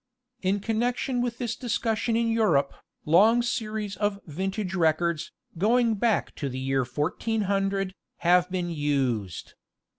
In connection with this discussion in Europe, long series of vintage records, going back to the year 1400, have been used.